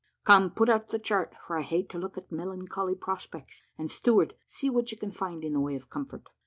Come, put up the chart, for I hate to look at melancholy prospects: and, steward, see what you can find in the way of comfort."